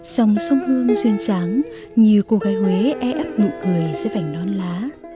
dòng sông hương duyên dáng nhiều cô gái huế e ấp ngụ cười dưới vảnh non lá